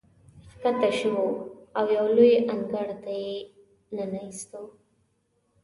ښکته شوو او یو لوی انګړ ته یې ننه ایستو.